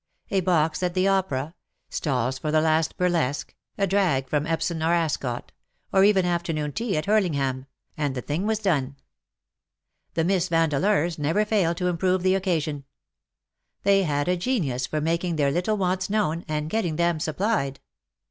A box at the Opera — stalls for the last burlesque — a drag for Epsom or Ascot — or even afternoon tea at Hurlingham — and the thing was done. The Miss Vandeleurs never failed to im prove the occasion. They had a genius for making their little wants known, and getting them supplied.